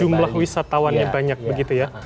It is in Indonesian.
jumlah wisatawannya banyak begitu ya